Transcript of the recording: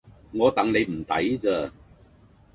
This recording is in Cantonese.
我戥你唔抵咋